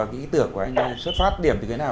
cái ý tưởng của anh đó xuất phát điểm từ cái nào